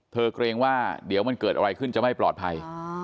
เกรงว่าเดี๋ยวมันเกิดอะไรขึ้นจะไม่ปลอดภัย